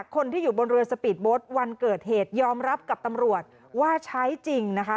คนที่อยู่บนเรือสปีดโบสต์วันเกิดเหตุยอมรับกับตำรวจว่าใช้จริงนะคะ